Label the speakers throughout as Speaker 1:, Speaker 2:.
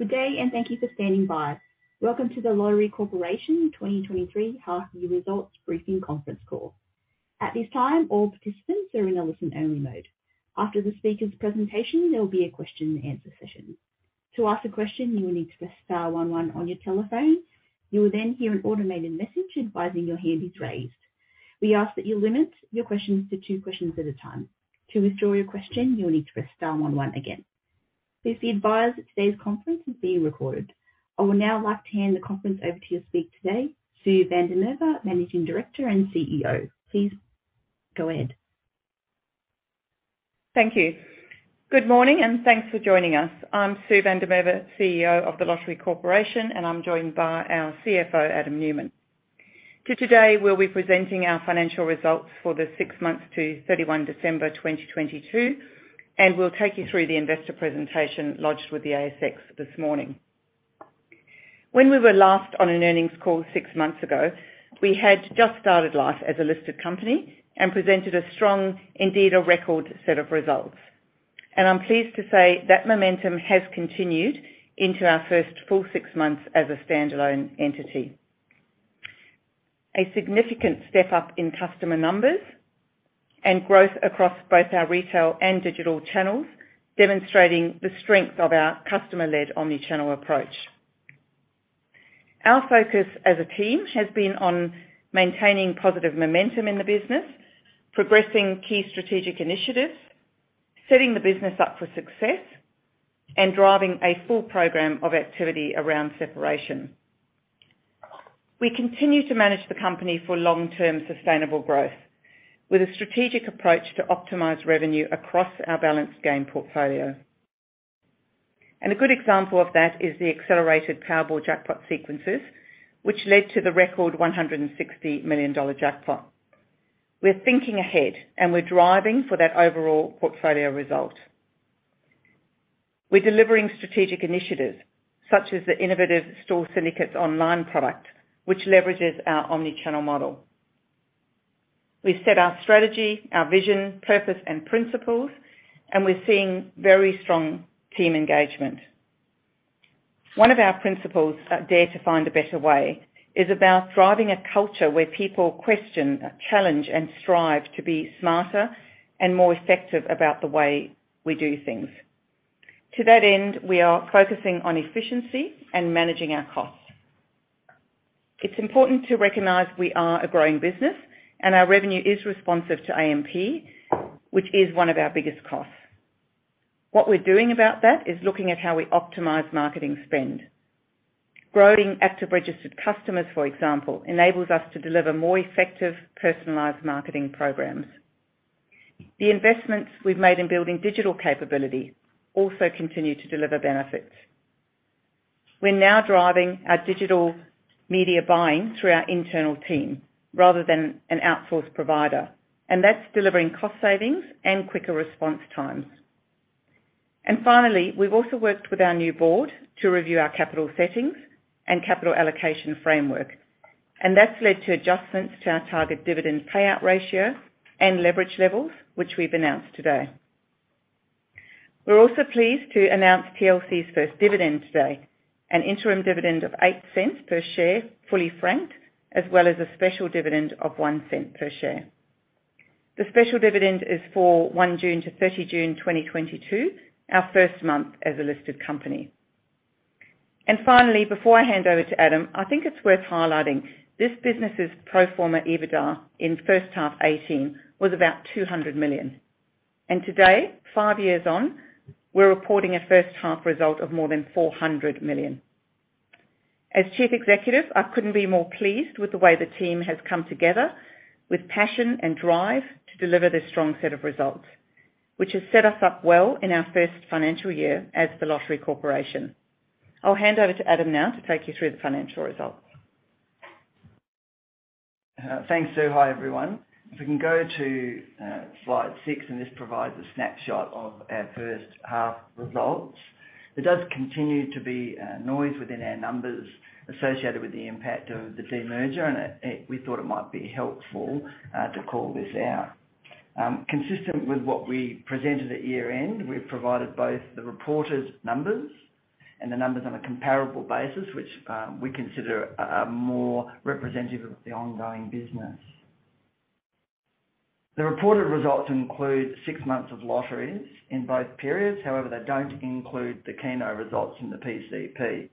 Speaker 1: Good day. Thank you for standing by. Welcome to The Lottery Corporation 2023 half year results briefing conference call. At this time, all participants are in a listen-only mode. After the speaker's presentation, there'll be a question and answer session. To ask a question, you will need to press star one one on your telephone. You will then hear an automated message advising your hand is raised. We ask that you limit your questions to two questions at a time. To withdraw your question, you'll need to press star one one again. Please be advised that today's conference is being recorded. I would now like to hand the conference over to your speaker today, Sue van der Merwe, Managing Director and CEO. Please go ahead.
Speaker 2: Thank you. Good morning, and thanks for joining us. I'm Sue van der Merwe, CEO of The Lottery Corporation, and I'm joined by our CFO, Adam Newman. Today, we'll be presenting our financial results for the six months to 31 December 2022, and we'll take you through the investor presentation lodged with the ASX this morning. When we were last on an earnings call six months ago, we had just started life as a listed company and presented a strong, indeed a record set of results. I'm pleased to say that momentum has continued into our first full six months as a standalone entity. A significant step-up in customer numbers and growth across both our retail and digital channels, demonstrating the strength of our customer-led omni-channel approach. Our focus as a team has been on maintaining positive momentum in the business, progressing key strategic initiatives, setting the business up for success, and driving a full program of activity around separation. We continue to manage the company for long-term sustainable growth with a strategic approach to optimize revenue across our balanced gain portfolio. A good example of that is the accelerated Powerball jackpot sequences, which led to the record 160 million dollar jackpot. We're thinking ahead, and we're driving for that overall portfolio result. We're delivering strategic initiatives such as the innovative Store Syndicates online product, which leverages our omni-channel model. We've set our strategy, our vision, purpose, and principles, and we're seeing very strong team engagement. One of our principles, dare to find a better way, is about driving a culture where people question, challenge, and strive to be smarter and more effective about the way we do things. To that end, we are focusing on efficiency and managing our costs. It's important to recognize we are a growing business, and our revenue is responsive to AMP, which is one of our biggest costs. What we're doing about that is looking at how we optimize marketing spend. Growing active registered customers, for example, enables us to deliver more effective personalized marketing programs. The investments we've made in building digital capability also continue to deliver benefits. We're now driving our digital media buying through our internal team rather than an outsourced provider, and that's delivering cost savings and quicker response times. Finally, we've also worked with our new board to review our capital settings and capital allocation framework, and that's led to adjustments to our target dividend payout ratio and leverage levels, which we've announced today. We're also pleased to announce TLC's first dividend today, an interim dividend of 0.08 per share, fully franked, as well as a special dividend of 0.01 per share. The special dividend is for one June to thirty June 2022, our first month as a listed company. Finally, before I hand over to Adam, I think it's worth highlighting this business's pro forma EBITDA in first half 2018 was about 200 million. Today, five years on, we're reporting a first half result of more than 400 million. As Chief Executive, I couldn't be more pleased with the way the team has come together with passion and drive to deliver this strong set of results, which has set us up well in our first financial year as The Lottery Corporation. I'll hand over to Adam now to take you through the financial results.
Speaker 3: Thanks, Sue. Hi, everyone. If we can go to slide six, this provides a snapshot of our first half results. There does continue to be noise within our numbers associated with the impact of the demerger, and we thought it might be helpful to call this out. Consistent with what we presented at year-end, we've provided both the reported numbers and the numbers on a comparable basis, which we consider a more representative of the ongoing business. The reported results include six months of lotteries in both periods. They don't include the Keno results in the PCP.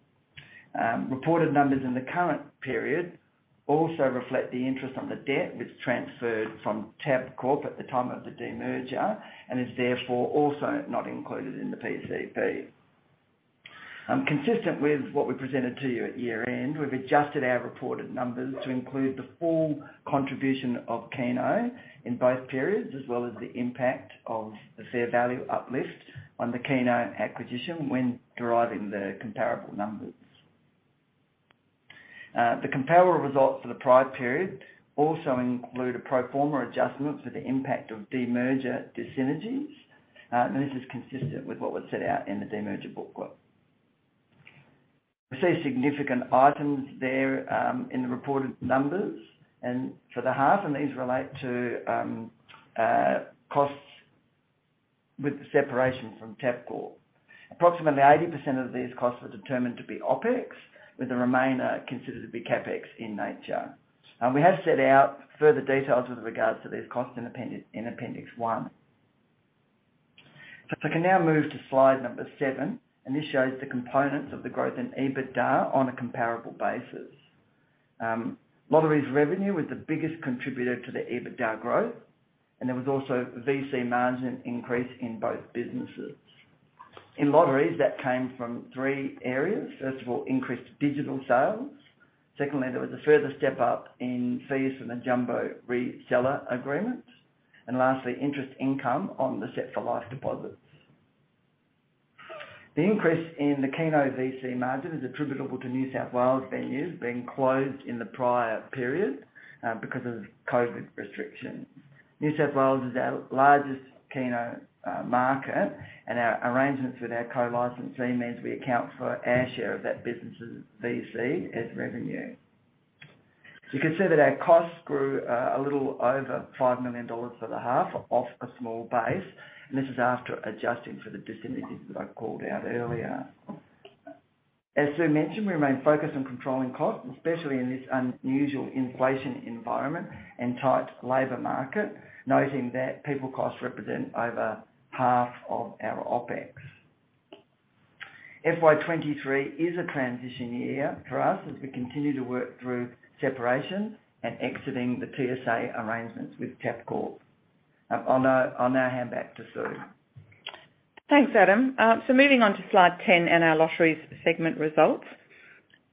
Speaker 3: Reported numbers in the current period also reflect the interest on the debt which transferred from Tabcorp at the time of the demerger and is therefore also not included in the PCP. Consistent with what we presented to you at year-end, we've adjusted our reported numbers to include the full contribution of Keno in both periods, as well as the impact of the fair value uplift on the Keno acquisition when deriving the comparable numbers. The comparable results for the prior period also include a pro forma adjustment for the impact of demerger dyssynergies. This is consistent with what was set out in the demerger booklet. We see significant items there in the reported numbers and for the half. These relate to costs with the separation from Tabcorp. Approximately 80% of these costs were determined to be OpEx, with the remainder considered to be CapEx in nature. We have set out further details with regards to these costs in Appendix one. If I can now move to slide number seven, this shows the components of the growth in EBITDA on a comparable basis. Lottery's revenue was the biggest contributor to the EBITDA growth, there was also VC management increase in both businesses. In Lotteries that came from three areas. First of all, increased digital sales. Secondly, there was a further step up in fees from the Jumbo reseller agreements, lastly, interest income on the Set for Life deposits. The increase in the Keno VC margin is attributable to New South Wales venues being closed in the prior period because of COVID restrictions. New South Wales is our largest Keno market, our arrangements with our co-licensee means we account for our share of that business' VC as revenue. You can see that our costs grew a little over 5 million dollars for the half off a small base. This is after adjusting for the dissimilarities that I called out earlier. As Sue mentioned, we remain focused on controlling costs, especially in this unusual inflation environment and tight labor market, noting that people costs represent over half of our OpEx. FY 2023 is a transition year for us as we continue to work through separation and exiting the PSA arrangements with Tabcorp. I'll now hand back to Sue.
Speaker 2: Thanks, Adam. So moving on to slide 10 and our lotteries segment results.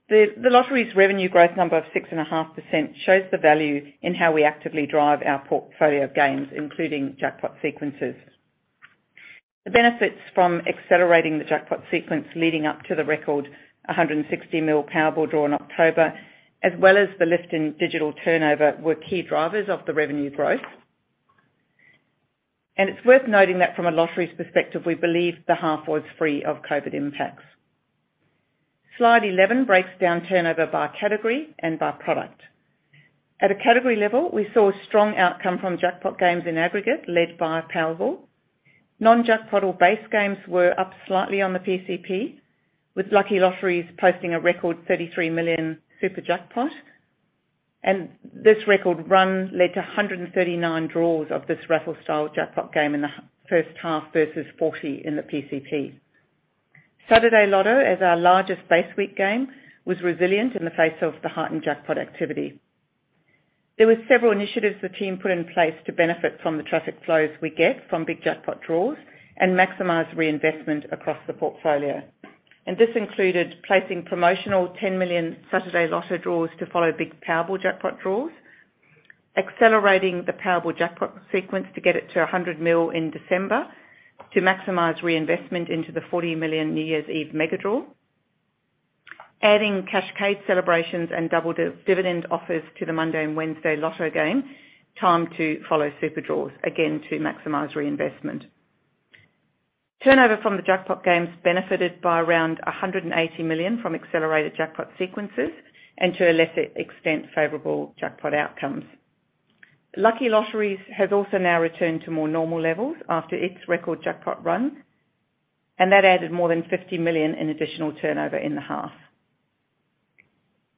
Speaker 2: The lotteries revenue growth number of 6.5% shows the value in how we actively drive our portfolio of games, including jackpot sequences. The benefits from accelerating the jackpot sequence leading up to the record 160 million Powerball draw in October, as well as the lift in digital turnover, were key drivers of the revenue growth. It's worth noting that from a lotteries perspective, we believe the half was free of COVID impacts. Slide 11 breaks down turnover by category and by product. At a category level, we saw a strong outcome from jackpot games in aggregate led by Powerball. Non-jackpot or base games were up slightly on the PCP, with Lucky Lotteries posting a record 33 million super jackpot. This record run led to 139 draws of this raffle-style jackpot game in the first half versus 40 in the PCP. Saturday Lotto, as our largest base week game, was resilient in the face of the heightened jackpot activity. There were several initiatives the team put in place to benefit from the traffic flows we get from big jackpot draws and maximize reinvestment across the portfolio. This included placing promotional 10 million Saturday Lotto draws to follow big Powerball jackpot draws. Accelerating the Powerball jackpot sequence to get it to 100 million in December to maximize reinvestment into the 40 million New Year's Eve Megadraw. Adding cascade celebrations and double dividend offers to the Monday & Wednesday Lotto game, timed to follow super draws, again to maximize reinvestment. Turnover from the jackpot games benefited by around 180 million from accelerated jackpot sequences and to a lesser extent, favorable jackpot outcomes. Lucky Lotteries has also now returned to more normal levels after its record jackpot run, and that added more than 50 million in additional turnover in the half.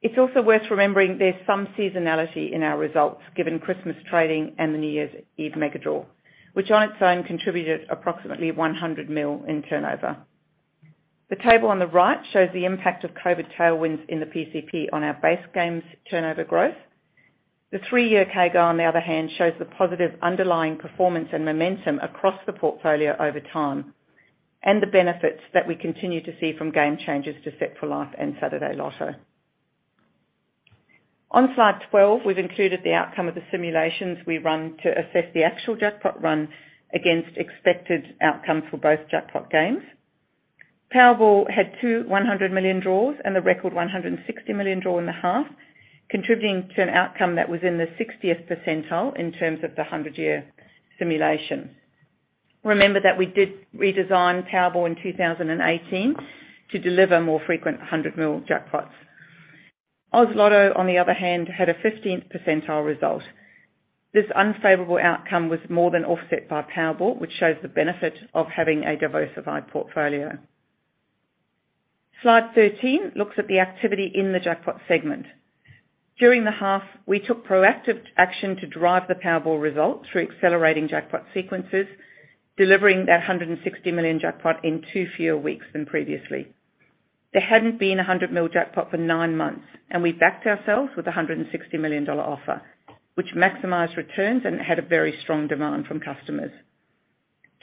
Speaker 2: It's also worth remembering there's some seasonality in our results, given Christmas trading and the New Year's Eve Megadraw, which on its own contributed approximately 100 million in turnover. The table on the right shows the impact of COVID tailwinds in the PCP on our base games turnover growth. The three-year CAGR, on the other hand, shows the positive underlying performance and momentum across the portfolio over time, and the benefits that we continue to see from game changes to Set for Life and Saturday Lotto. On slide 12, we've included the outcome of the simulations we run to assess the actual jackpot run against expected outcome for both jackpot games. Powerball had 2 100 million draws and a record 160 million draw in the half, contributing to an outcome that was in the 60th percentile in terms of the 100-year simulations. Remember that we did redesign Powerball in 2018 to deliver more frequent 100 mil jackpots. Oz Lotto, on the other hand, had a 15th percentile result. This unfavorable outcome was more than offset by Powerball, which shows the benefit of having a diversified portfolio. Slide 13 looks at the activity in the jackpot segment. During the half, we took proactive action to drive the Powerball results through accelerating jackpot sequences, delivering that 160 million jackpot in two fewer weeks than previously. There hadn't been a 100 mil jackpot for nine months. We backed ourselves with an 160 million dollar offer, which maximized returns and had a very strong demand from customers.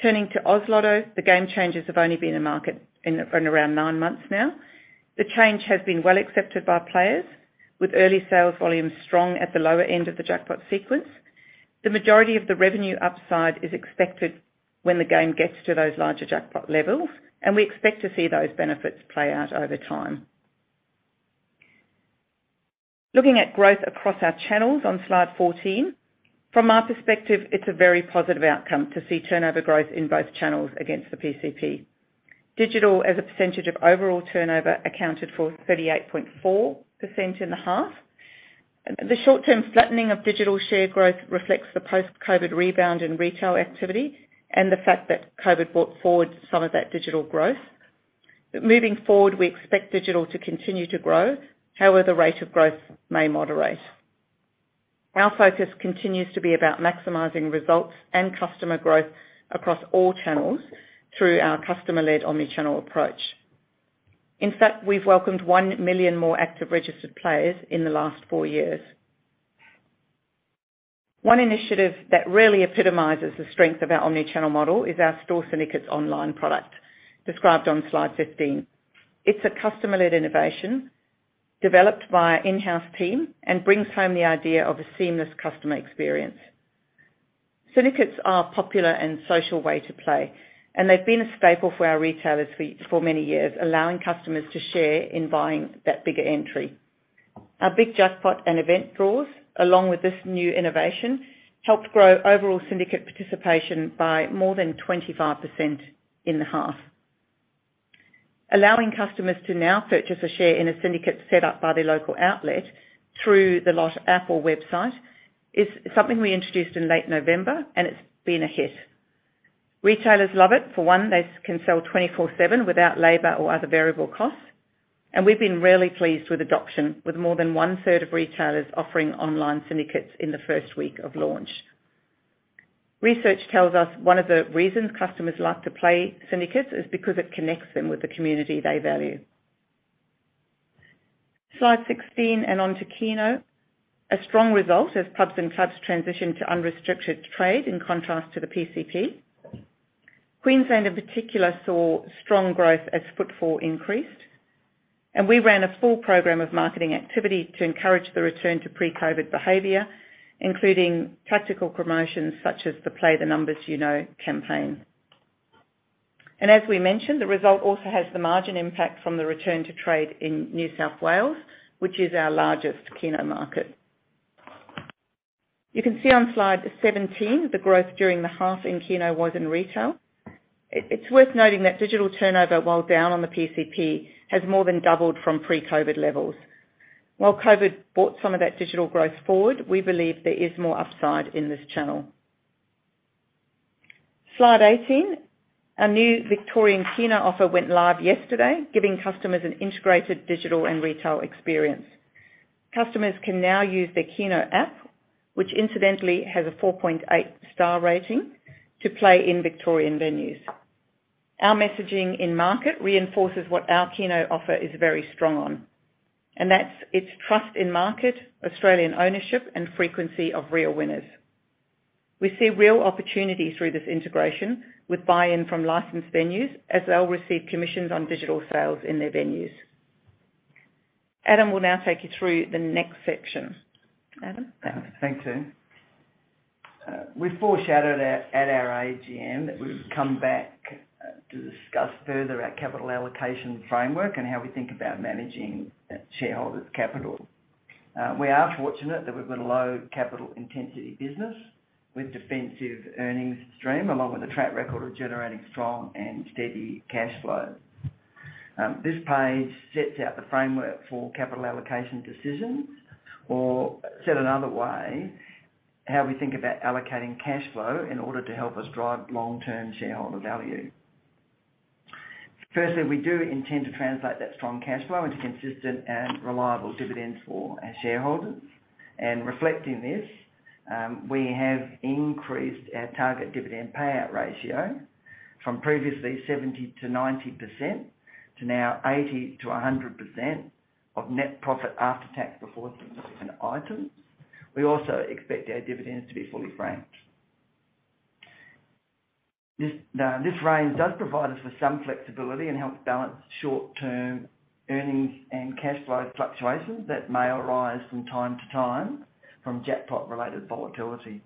Speaker 2: Turning to Oz Lotto, the game changes have only been in market around nine months now. The change has been well accepted by players, with early sales volume strong at the lower end of the jackpot sequence. The majority of the revenue upside is expected when the game gets to those larger jackpot levels. We expect to see those benefits play out over time. Looking at growth across our channels on slide 14. From our perspective, it's a very positive outcome to see turnover growth in both channels against the PCP. Digital as a percentage of overall turnover accounted for 38.4% in the half. The short-term flattening of digital share growth reflects the post-COVID rebound in retail activity and the fact that COVID brought forward some of that digital growth. Moving forward, we expect digital to continue to grow. However, the rate of growth may moderate. Our focus continues to be about maximizing results and customer growth across all channels through our customer-led omni-channel approach. In fact, we've welcomed 1 million more active registered players in the last four years. One initiative that really epitomizes the strength of our omni-channel model is our Store Syndicates Online product described on slide 15. It's a customer-led innovation developed by our in-house team and brings home the idea of a seamless customer experience. Syndicates are a popular and social way to play, and they've been a staple for our retailers for many years, allowing customers to share in buying that bigger entry. Our big jackpot and event draws, along with this new innovation, helped grow overall syndicate participation by more than 25% in the half. Allowing customers to now purchase a share in a syndicate set up by their local outlet through The Lott app or website is something we introduced in late November, and it's been a hit. Retailers love it. For one, they can sell 24/7 without labor or other variable costs. We've been really pleased with adoption, with more than 1/3 of retailers offering online syndicates in the first week of launch. Research tells us one of the reasons customers like to play syndicates is because it connects them with the community they value. Slide 16, on to Keno. A strong result as pubs and clubs transition to unrestricted trade in contrast to the PCP. Queensland, in particular, saw strong growth as footfall increased, we ran a full program of marketing activity to encourage the return to pre-COVID behavior, including practical promotions such as the Play the Numbers You Know campaign. As we mentioned, the result also has the margin impact from the return to trade in New South Wales, which is our largest Keno market. You can see on slide 17, the growth during the half in Keno was in retail. It's worth noting that digital turnover, while down on the PCP, has more than doubled from pre-COVID levels. While COVID brought some of that digital growth forward, we believe there is more upside in this channel. Slide 18. Our new Victorian Keno offer went live yesterday, giving customers an integrated digital and retail experience. Customers can now use their Keno app, which incidentally has a 4.8 star rating, to play in Victorian venues. Our messaging in market reinforces what our Keno offer is very strong on, and that's its trust in market, Australian ownership, and frequency of real winners. We see real opportunities through this integration with buy-in from licensed venues as they'll receive commissions on digital sales in their venues. Adam will now take you through the next section. Adam?
Speaker 3: Thanks, Sue. We foreshadowed at our AGM that we would come back to discuss further our capital allocation framework and how we think about managing shareholders' capital. We are fortunate that we've got a low capital intensity business with defensive earnings stream, along with a track record of generating strong and steady cash flow. This page sets out the framework for capital allocation decisions, or said another way, how we think about allocating cash flow in order to help us drive long-term shareholder value. Firstly, we do intend to translate that strong cash flow into consistent and reliable dividends for our shareholders. Reflecting this, we have increased our target dividend payout ratio from previously 70%-90% to now 80%-100% of net profit after tax before significant items. We also expect our dividends to be fully franked. This range does provide us with some flexibility and helps balance short-term earnings and cash flow fluctuations that may arise from time to time from jackpot-related volatility.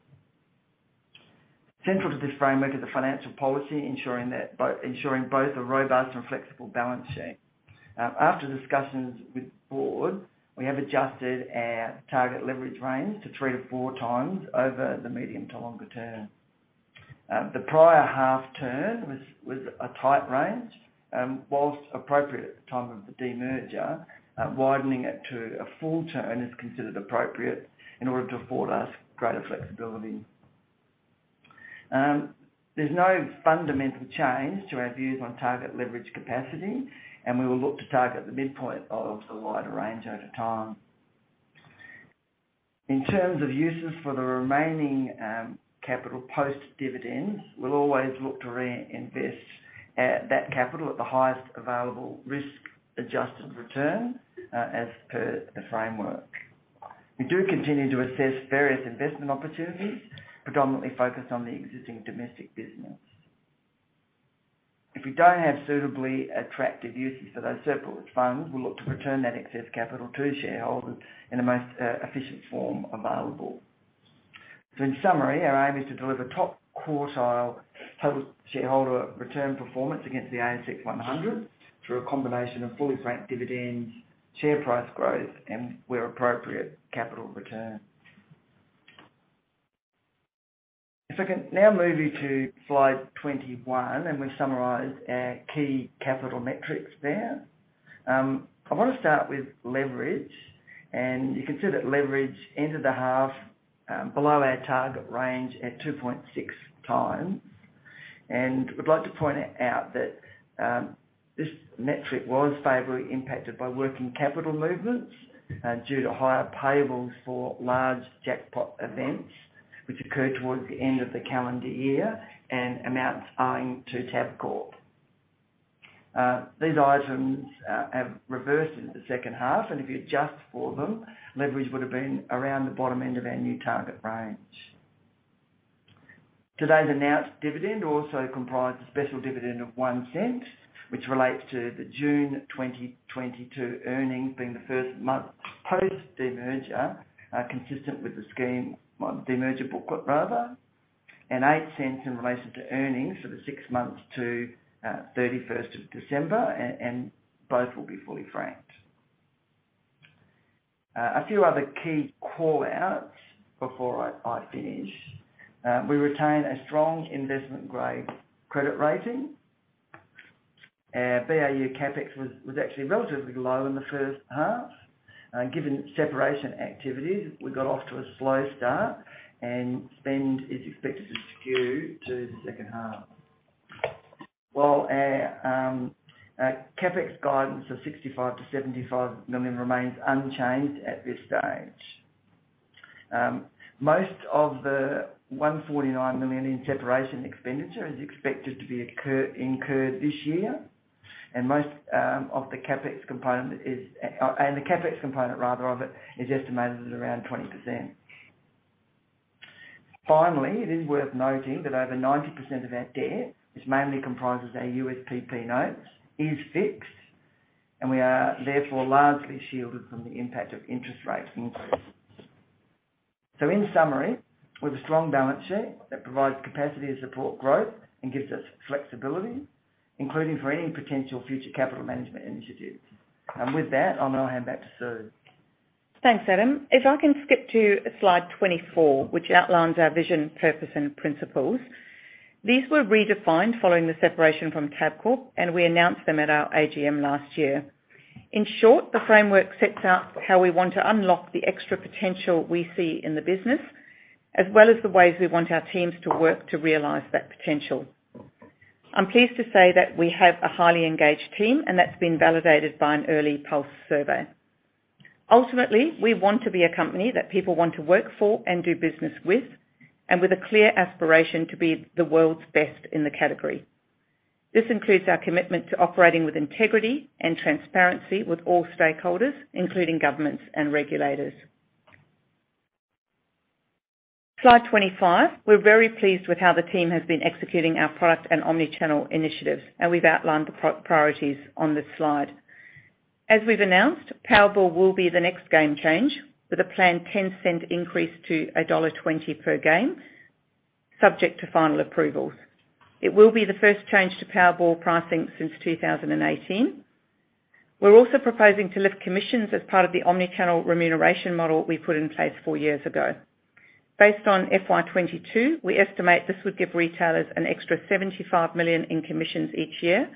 Speaker 3: Central to this framework is the financial policy, ensuring both a robust and flexible balance sheet. After discussions with the board, we have adjusted our target leverage range to three to four times over the medium to longer term. The prior half turn was a tight range, whilst appropriate at the time of the demerger, widening it to a full turn is considered appropriate in order to afford us greater flexibility. There's no fundamental change to our views on target leverage capacity, we will look to target the midpoint of the wider range over time. In terms of uses for the remaining capital post dividends, we'll always look to reinvest that capital at the highest available risk-adjusted return as per the framework. We do continue to assess various investment opportunities, predominantly focused on the existing domestic business. If we don't have suitably attractive uses for those surplus funds, we'll look to return that excess capital to shareholders in the most efficient form available. In summary, our aim is to deliver top quartile total shareholder return performance against the ASX 100, through a combination of fully franked dividends, share price growth, and where appropriate, capital return. If I can now move you to slide 21, we've summarized our key capital metrics there. I wanna start with leverage. You can see that leverage entered the half below our target range at 2.6x. We'd like to point out that this metric was favorably impacted by working capital movements due to higher payables for large jackpot events, which occurred towards the end of the calendar year, and amounts owing to Tabcorp. These items have reversed in the second half, and if you adjust for them, leverage would've been around the bottom end of our new target range. Today's announced dividend also comprised a special dividend of 0.01, which relates to the June 2022 earnings, being the first month post demerger, consistent with the scheme, demerger booklet rather, and 0.08 in relation to earnings for the six months to 31st of December, and both will be fully franked. A few other key call-outs before I finish. We retain a strong investment-grade credit rating. Our BAU CapEx was actually relatively low in the first half, given separation activities. We got off to a slow start and spend is expected to skew to the second half. While our CapEx guidance of 65 million-75 million remains unchanged at this stage. Most of the 149 million in separation expenditure is expected to be incurred this year, and the CapEx component rather of it, is estimated at around 20%. Finally, it is worth noting that over 90% of our debt, which mainly comprises our USPP notes, is fixed, and we are therefore largely shielded from the impact of interest rates increases. In summary, with a strong balance sheet that provides capacity to support growth and gives us flexibility, including for any potential future capital management initiatives. With that, I'm gonna hand back to Sue.
Speaker 2: Thanks, Adam. If I can skip to slide 24, which outlines our vision, purpose, and principles. These were redefined following the separation from Tabcorp, and we announced them at our AGM last year. In short, the framework sets out how we want to unlock the extra potential we see in the business, as well as the ways we want our teams to work to realize that potential. I'm pleased to say that we have a highly engaged team, and that's been validated by an early pulse survey. Ultimately, we want to be a company that people want to work for and do business with, and with a clear aspiration to be the world's best in the category. This includes our commitment to operating with integrity and transparency with all stakeholders, including governments and regulators. Slide 25. We're very pleased with how the team has been executing our product and omni-channel initiatives, and we've outlined the priorities on this slide. As we've announced, Powerball will be the next game change with a planned 0.10 increase to dollar 1.20 per game, subject to final approvals. It will be the first change to Powerball pricing since 2018. We're also proposing to lift commissions as part of the omni-channel remuneration model we put in place four years ago. Based on FY 2022, we estimate this would give retailers an extra 75 million in commissions each year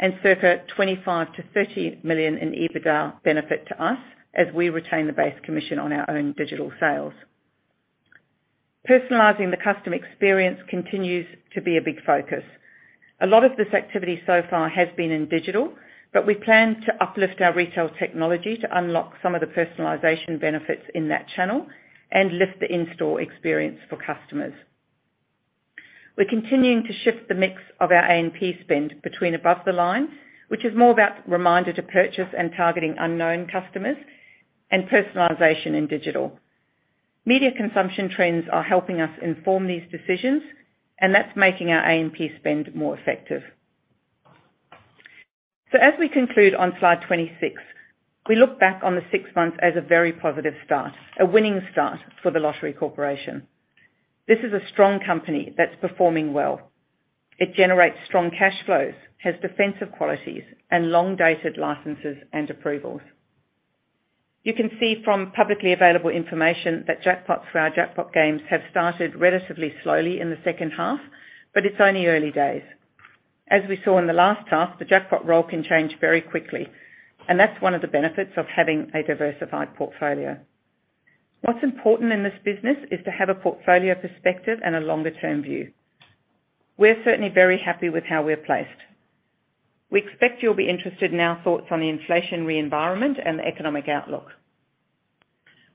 Speaker 2: and circa 25 million-30 million in EBITDA benefit to us, as we retain the base commission on our own digital sales. Personalizing the customer experience continues to be a big focus. A lot of this activity so far has been in digital, we plan to uplift our retail technology to unlock some of the personalization benefits in that channel and lift the in-store experience for customers. We're continuing to shift the mix of our ANP spend between above the line, which is more about reminder to purchase and targeting unknown customers, and personalization in digital. Media consumption trends are helping us inform these decisions, that's making our ANP spend more effective. As we conclude on slide 26, we look back on the six months as a very positive start, a winning start for The Lottery Corporation. This is a strong company that's performing well. It generates strong cash flows, has defensive qualities, and long-dated licenses and approvals. You can see from publicly available information that jackpots for our jackpot games have started relatively slowly in the second half. It's only early days. As we saw in the last task, the jackpot roll can change very quickly. That's one of the benefits of having a diversified portfolio. What's important in this business is to have a portfolio perspective and a longer term view. We're certainly very happy with how we're placed. We expect you'll be interested in our thoughts on the inflationary environment and the economic outlook.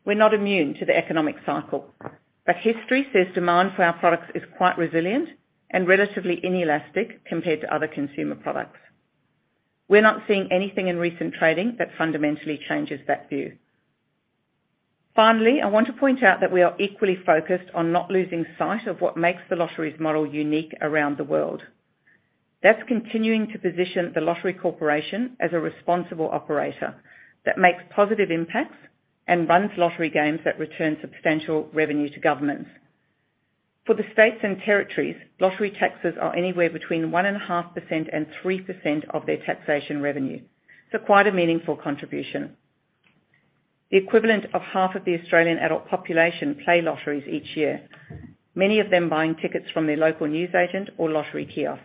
Speaker 2: We're not immune to the economic cycle. History says demand for our products is quite resilient and relatively inelastic compared to other consumer products. We're not seeing anything in recent trading that fundamentally changes that view. Finally, I want to point out that we are equally focused on not losing sight of what makes the lottery's model unique around the world. That's continuing to position The Lottery Corporation as a responsible operator that makes positive impacts and runs lottery games that return substantial revenue to governments. For the states and territories, lottery taxes are anywhere between 1.5% and 3% of their taxation revenue, so quite a meaningful contribution. The equivalent of half of the Australian adult population play lotteries each year, many of them buying tickets from their local newsagent or lottery kiosk.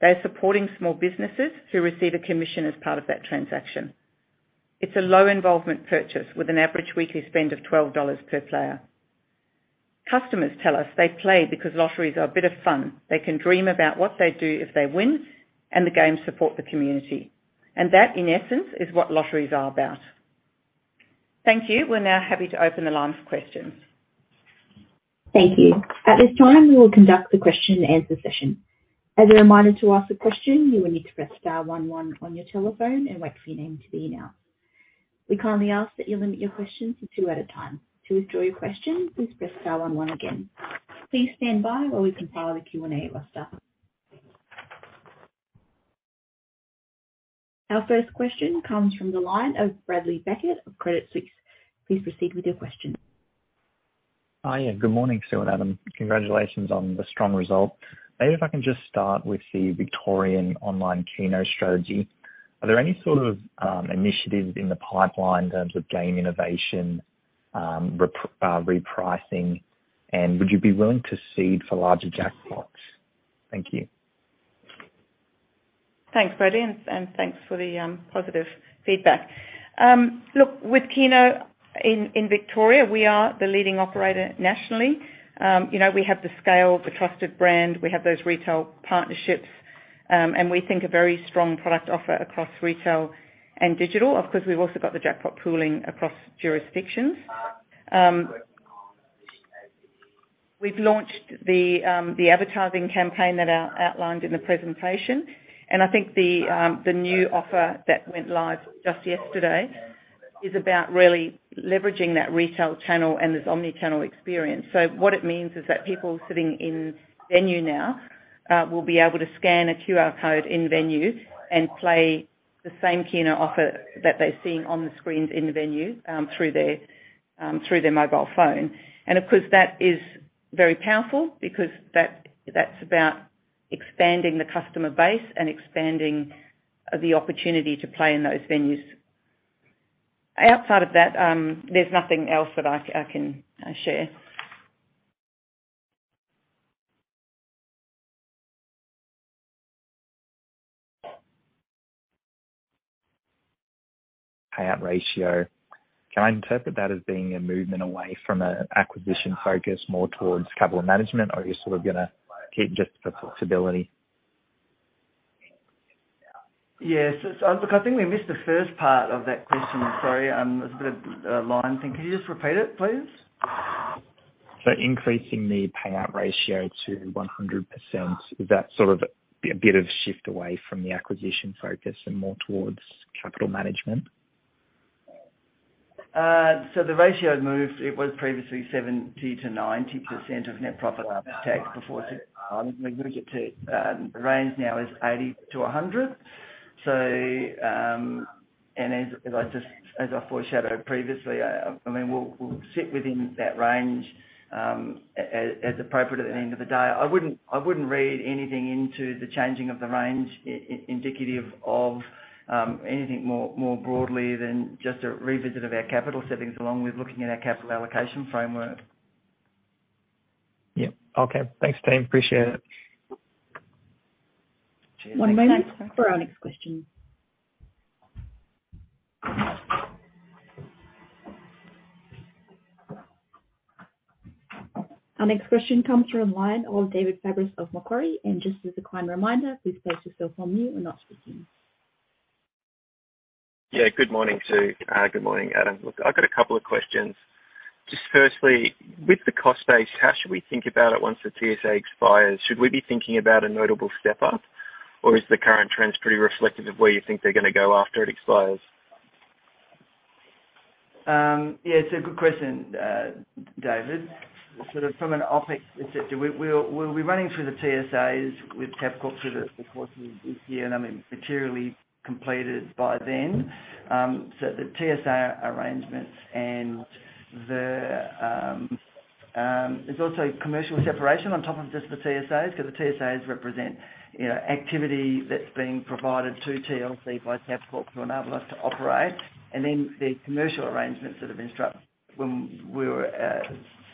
Speaker 2: They're supporting small businesses who receive a commission as part of that transaction. It's a low involvement purchase with an average weekly spend of 12 dollars per player. Customers tell us they play because lotteries are a bit of fun. They can dream about what they do if they win, the games support the community. That, in essence, is what lotteries are about. Thank you. We're now happy to open the line for questions.
Speaker 1: Thank you. At this time, we will conduct the question-and-answer session. As a reminder, to ask a question, you will need to press star one one on your telephone and wait for your name to be announced. We kindly ask that you limit your questions to two at a time. To withdraw your question, please press star one one again. Please stand by while we compile the Q&A roster. Our first question comes from the line of Bradley Beckett of Credit Suisse. Please proceed with your question.
Speaker 4: Hi, yeah. Good morning, Sue and Adam. Congratulations on the strong result. Maybe if I can just start with the Victorian online Keno strategy. Are there any sort of initiatives in the pipeline in terms of game innovation, repricing, and would you be willing to cede for larger jackpots? Thank you.
Speaker 2: Thanks, Bradley, and thanks for the positive feedback. Look, with Keno in Victoria, we are the leading operator nationally. You know, we have the scale, the trusted brand, we have those retail partnerships, and we think a very strong product offer across retail and digital. Of course, we've also got the jackpot pooling across jurisdictions. We've launched the advertising campaign that I outlined in the presentation, and I think the new offer that went live just yesterday is about really leveraging that retail channel and this omni-channel experience. What it means is that people sitting in venue now will be able to scan a QR code in-venue and play the same Keno offer that they're seeing on the screens in the venue, through their mobile phone. Of course, that is very powerful because that's about expanding the customer base and expanding the opportunity to play in those venues. Outside of that, there's nothing else that I can share.
Speaker 4: Payout ratio. Can I interpret that as being a movement away from a acquisition focus more towards capital management, or are you sort of gonna keep just the flexibility?
Speaker 3: Yes. It's... Look, I think we missed the first part of that question. Sorry. there's a bit of a line thing. Can you just repeat it, please?
Speaker 4: Increasing the payout ratio to 100%, is that sort of a bit of shift away from the acquisition focus and more towards capital management?
Speaker 3: The ratio moved. It was previously 70%-90% of net profit after tax before, we moved it to the range now is 80%-100%. And as I just as I foreshadowed previously, I mean, we'll sit within that range as appropriate at the end of the day. I wouldn't, I wouldn't read anything into the changing of the range indicative of anything more, more broadly than just a revisit of our capital settings along with looking at our capital allocation framework.
Speaker 4: Yeah. Okay. Thanks, team. Appreciate it.
Speaker 3: Cheers.
Speaker 1: One moment for our next question. Our next question comes from the line of David Fabris of Macquarie. Just as a kind reminder, please place yourself on mute when not speaking.
Speaker 5: Yeah. Good morning, Sue. Good morning, Adam. Look, I've got a couple of questions. Just firstly, with the cost base, how should we think about it once the TSA expires? Should we be thinking about a notable step up, or is the current trends pretty reflective of where you think they're gonna go after it expires?
Speaker 3: Yeah, it's a good question, David. Sort of from an OpEx perspective, we're rerunning through the TSAs with Tabcorp through the course of this year and, I mean, materially completed by then. The TSA arrangements. There's also commercial separation on top of just the TSAs 'cause the TSAs represent, you know, activity that's being provided to TLC by Tabcorp to enable us to operate. The commercial arrangements that have been struck when we were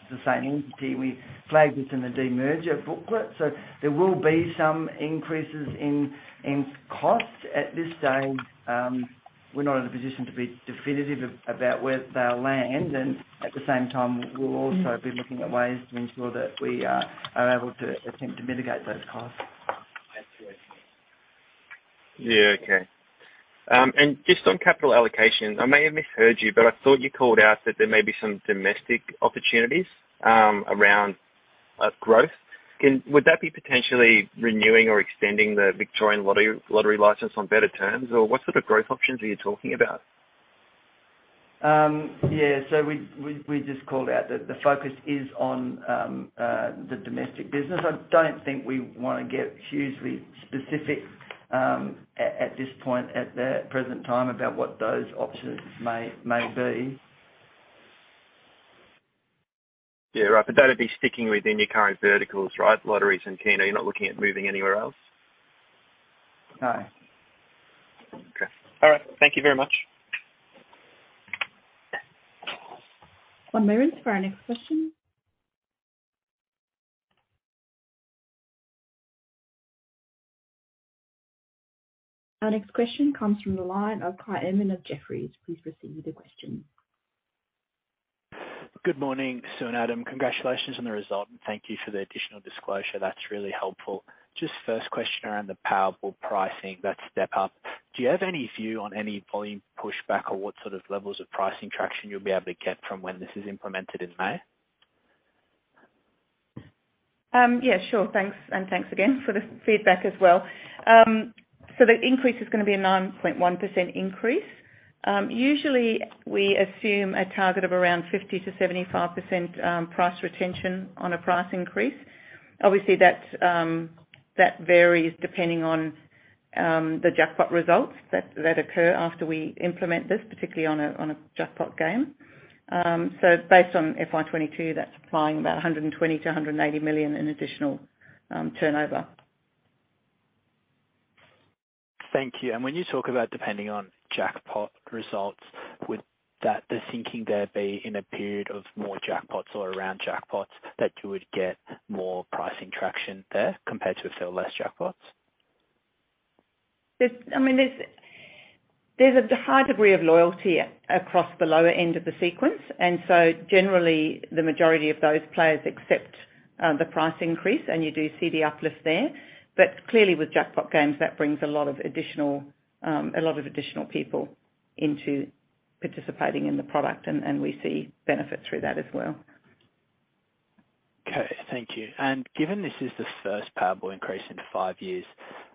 Speaker 3: the same entity, we flagged this in the demerger booklet. There will be some increases in cost. At this stage, we're not in a position to be definitive about where they'll land. At the same time, we'll also be looking at ways to ensure that we are able to attempt to mitigate those costs.
Speaker 5: Yeah. Okay. Just on capital allocation, I may have misheard you, but I thought you called out that there may be some domestic opportunities around growth. Would that be potentially renewing or extending the Victorian Public Lottery Licence on better terms, or what sort of growth options are you talking about?
Speaker 3: We just called out that the focus is on the domestic business. I don't think we wanna get hugely specific, at this point, at the present time, about what those options may be.
Speaker 5: Yeah, right. That'd be sticking within your current verticals, right? Lotteries and Keno. You're not looking at moving anywhere else.
Speaker 3: No.
Speaker 5: Okay. All right. Thank you very much.
Speaker 1: One moment for our next question. Our next question comes from the line of Kai Erman of Jefferies. Please proceed with your question.
Speaker 6: Good morning, Sue and Adam. Congratulations on the result. Thank you for the additional disclosure. That's really helpful. First question around the Powerball pricing, that step up. Do you have any view on any volume pushback or what sort of levels of pricing traction you'll be able to get from when this is implemented in May?
Speaker 2: Yeah, sure. Thanks. Thanks again for the feedback as well. The increase is gonna be a 9.1% increase. Usually we assume a target of around 50%-75% price retention on a price increase. Obviously, that varies depending on the jackpot results that occur after we implement this, particularly on a jackpot game. Based on FY 2022, that's applying about 120 million-180 million in additional turnover.
Speaker 6: Thank you. When you talk about depending on jackpot results, the thinking there be in a period of more jackpots or around jackpots, that you would get more pricing traction there compared to if there were less jackpots?
Speaker 2: I mean, there's a high degree of loyalty across the lower end of the sequence. Generally, the majority of those players accept the price increase, and you do see the uplift there. Clearly, with jackpot games, that brings a lot of additional, a lot of additional people into participating in the product, and we see benefit through that as well.
Speaker 6: Okay, thank you. Given this is the first Powerball increase in five years,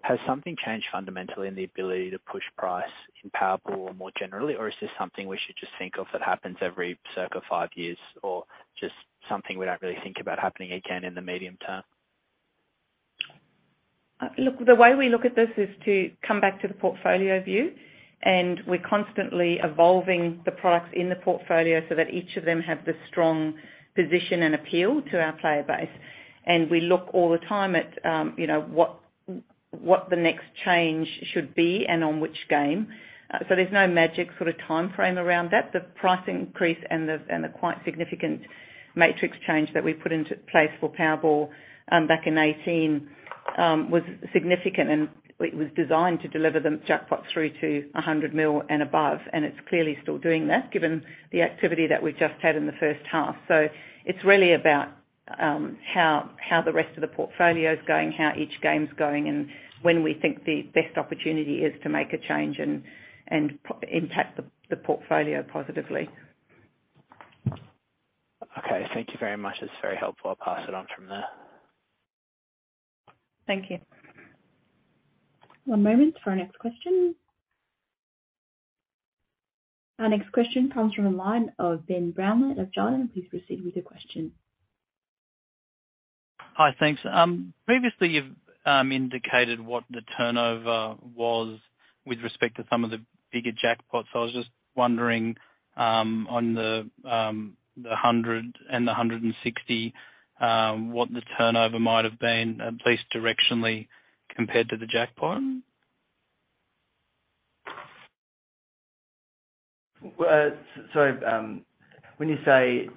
Speaker 6: has something changed fundamentally in the ability to push price in Powerball more generally? Is this something we should just think of that happens every circle five years or just something we don't really think about happening again in the medium term?
Speaker 2: Look, the way we look at this is to come back to the portfolio view. We're constantly evolving the products in the portfolio so that each of them have the strong position and appeal to our player base. We look all the time at, you know, what the next change should be and on which game. There's no magic sort of timeframe around that. The price increase and the quite significant matrix change that we've put into place for Powerball, back in 2018, was significant, and it was designed to deliver the jackpot through to 100 mil and above, and it's clearly still doing that given the activity that we've just had in the first half. It's really about how the rest of the portfolio is going, how each game's going, and when we think the best opportunity is to make a change and impact the portfolio positively.
Speaker 6: Okay. Thank you very much. That's very helpful. I'll pass it on from there.
Speaker 2: Thank you.
Speaker 1: One moment for our next question. Our next question comes from the line of Ben Brownlow of Jefferies. Please proceed with your question.
Speaker 7: Hi. Thanks. Previously, you've indicated what the turnover was with respect to some of the bigger jackpots. I was just wondering on the 100 and the 160 what the turnover might have been, at least directionally, compared to the jackpot. Well, sorry, when you say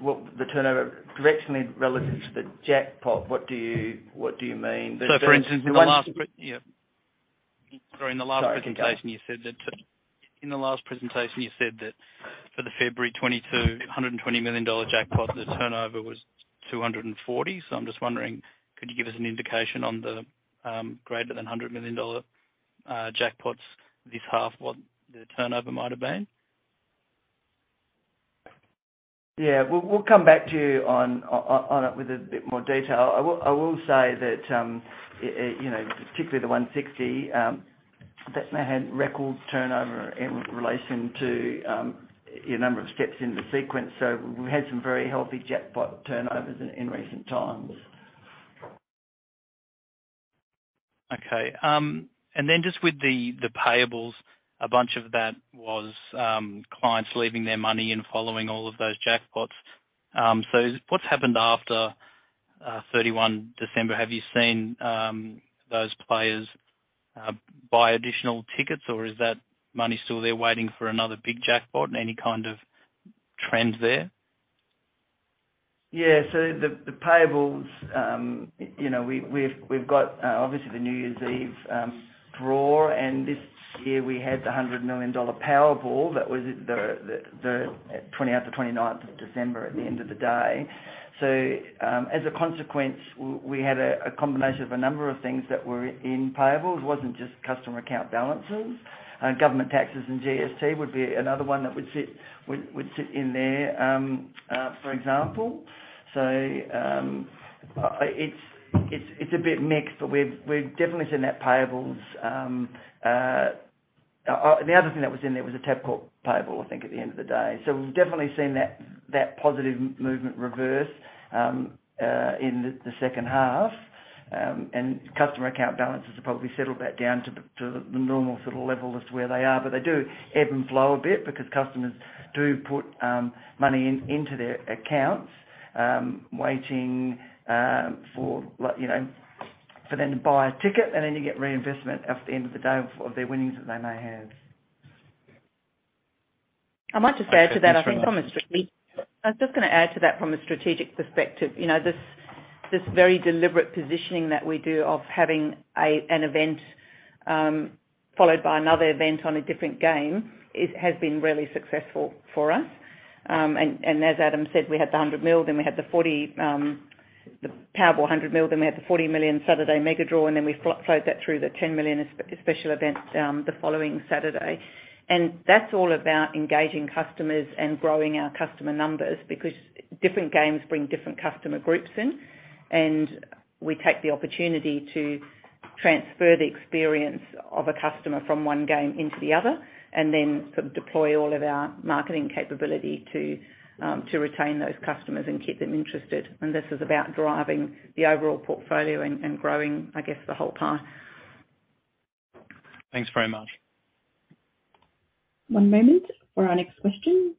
Speaker 7: what the turnover directionally relative to the jackpot, what do you mean? for instance, in the last Yeah. Sorry, in the last presentation.
Speaker 3: Sorry. Go ahead.
Speaker 7: You said that, in the last presentation, for the February 22 120 million dollar jackpot, the turnover was 240 million. I'm just wondering, could you give us an indication on the greater than 100 million dollar jackpots this half, what the turnover might have been?
Speaker 3: Yeah. We'll come back to you on it with a bit more detail. I will say that, you know, particularly the 160, that one had record turnover in relation to your number of steps in the sequence. We've had some very healthy jackpot turnovers in recent times.
Speaker 7: And then just with the payables, a bunch of that was clients leaving their money and following all of those jackpots. What's happened after 31 December? Have you seen those players buy additional tickets, or is that money still there waiting for another big jackpot? Any kind of trends there?
Speaker 3: The payables, you know, we've got obviously the New Year's Eve draw, this year we had the 100 million dollar Powerball. That was it, the 20-29th of December at the end of the day. As a consequence, we had a combination of a number of things that were in payables. It wasn't just customer account balances. Government taxes and GST would be another one that would sit in there, for example. It's a bit mixed, we've definitely seen that payables, the other thing that was in there was a Tabcorp payable, I think, at the end of the day. We've definitely seen that positive movement reverse in the second half. Customer account balances have probably settled back down to the normal sort of level as to where they are. They do ebb and flow a bit because customers do put money in, into their accounts, waiting for like, you know, for them to buy a ticket and then you get reinvestment at the end of the day of their winnings that they may have.
Speaker 2: I might just add to that. I was just gonna add to that from a strategic perspective. You know, this very deliberate positioning that we do of having an event followed by another event on a different game has been really successful for us. As Adam said, we had the 100 million, then we had the 40 million, the Powerball 100 million, then we had the 40 million Saturday Megadraw, then we float that through the 10 million special event the following Saturday. That's all about engaging customers and growing our customer numbers because different games bring different customer groups in. We take the opportunity to transfer the experience of a customer from one game into the other, and then sort of deploy all of our marketing capability to retain those customers and keep them interested. This is about driving the overall portfolio and growing, I guess, the whole pie.
Speaker 7: Thanks very much.
Speaker 1: One moment for our next question.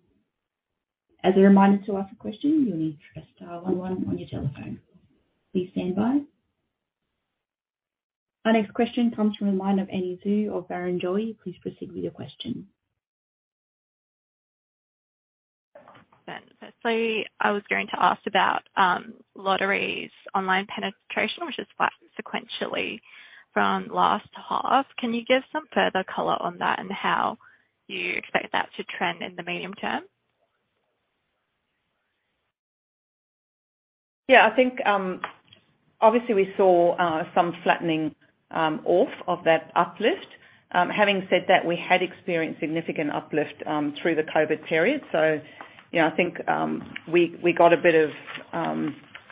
Speaker 1: As a reminder, to ask a question, you'll need to press star one one on your telephone. Please stand by. Our next question comes from the line of Annie Xu of Barrenjoey. Please proceed with your question.
Speaker 8: I was going to ask about Lottery's online penetration, which is flat sequentially from last half. Can you give some further color on that and how you expect that to trend in the medium term?
Speaker 2: I think, obviously we saw some flattening off of that uplift. Having said that, we had experienced significant uplift through the COVID period. You know, I think we got a bit of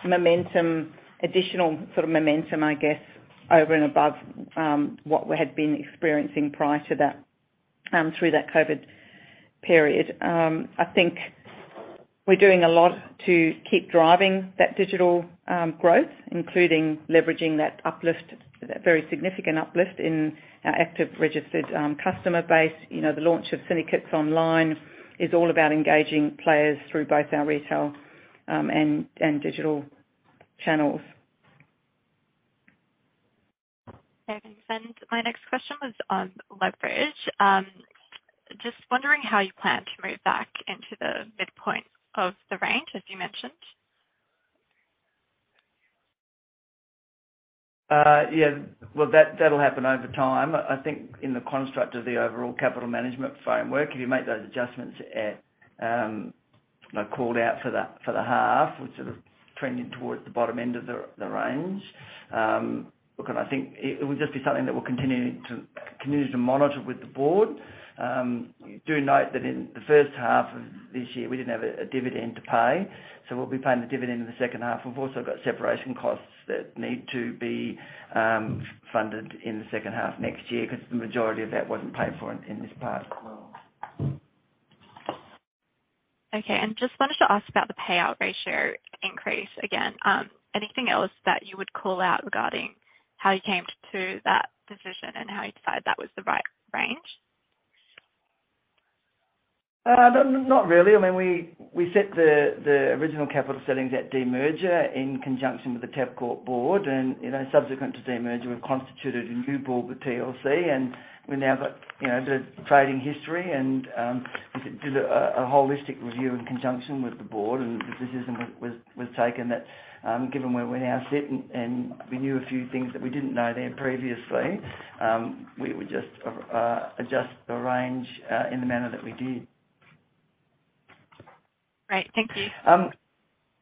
Speaker 2: momentum, additional sort of momentum I guess, over and above what we had been experiencing prior to that through that COVID period. I think we're doing a lot to keep driving that digital growth, including leveraging that uplift, that very significant uplift in our active registered customer base. You know, the launch of Syndicates Online is all about engaging players through both our retail and digital channels.
Speaker 8: Okay. My next question was on leverage. Just wondering how you plan to move back into the midpoint of the range, as you mentioned.
Speaker 3: Yeah, well, that'll happen over time. I think in the construct of the overall capital management framework, if you make those adjustments at, like called out for the half, we're sort of trending towards the bottom end of the range. Look, I think it would just be something that we're continuing to monitor with the board. Do note that in the first half of this year, we didn't have a dividend to pay, so we'll be paying the dividend in the second half. We've also got separation costs that need to be funded in the second half next year because the majority of that wasn't paid for in this past year.
Speaker 8: Okay. Just wanted to ask about the payout ratio increase again. Anything else that you would call out regarding how you came to that decision and how you decided that was the right range?
Speaker 3: Not really. I mean, we set the original capital settings at demerger in conjunction with the Tabcorp board. You know, subsequent to demerger, we've constituted a new board with TLC. We've now got, you know, the trading history and we did a holistic review in conjunction with the board and the decision was taken that given where we now sit and we knew a few things that we didn't know then previously, we would just adjust the range in the manner that we did.
Speaker 8: Great. Thank you.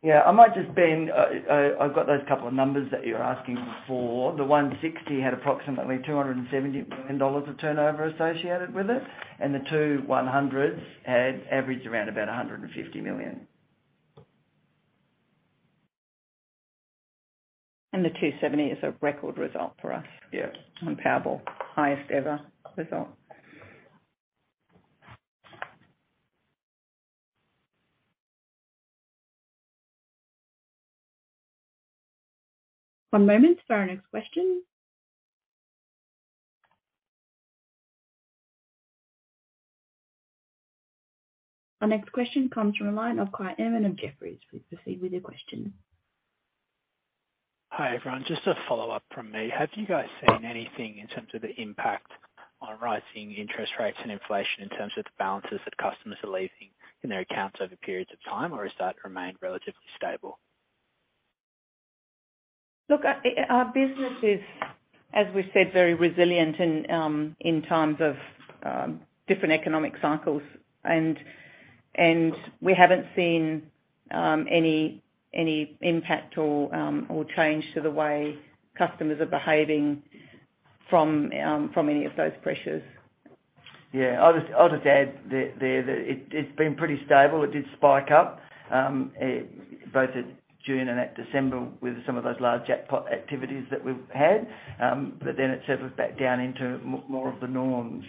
Speaker 3: Yeah. I might just, Annie, I've got those couple of numbers that you're asking for. The 160 had approximately 270 million dollars of turnover associated with it, and the two 100s had averaged around about 150 million.
Speaker 2: The 270 is a record result for us.
Speaker 3: Yeah.
Speaker 2: On Powerball. Highest ever result.
Speaker 1: One moment for our next question. Our next question comes from a line of Kai Eerman of Jefferies. Please proceed with your question.
Speaker 6: Hi, everyone. Just a follow-up from me. Have you guys seen anything in terms of the impact on rising interest rates and inflation in terms of the balances that customers are leaving in their accounts over periods of time, or has that remained relatively stable?
Speaker 2: Look, our business is, as we've said, very resilient in times of different economic cycles. We haven't seen any impact or change to the way customers are behaving from any of those pressures.
Speaker 3: Yeah. I'll just add there that it's been pretty stable. It did spike up, both at June and at December with some of those large jackpot activities that we've had, but then it settled back down into more of the norms.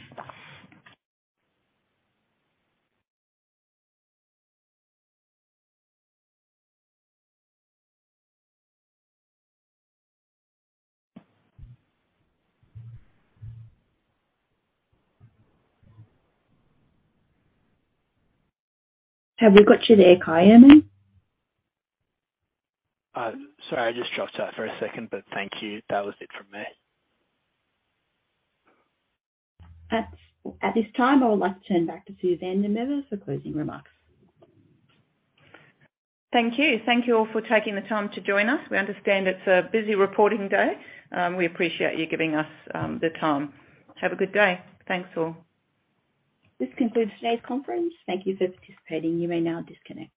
Speaker 1: Have we got you there, Kai Erman?
Speaker 6: Sorry, I just dropped out for a second, but thank you. That was it from me.
Speaker 1: At this time, I would like to turn back to Sue van der Merwe for closing remarks.
Speaker 2: Thank you. Thank you all for taking the time to join us. We understand it's a busy reporting day. We appreciate you giving us the time. Have a good day. Thanks, all.
Speaker 1: This concludes today's conference. Thank you for participating. You may now disconnect.